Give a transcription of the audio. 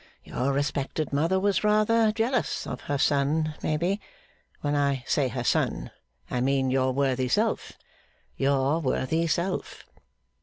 Your respected mother was rather jealous of her son, maybe; when I say her son, I mean your worthy self, your worthy self.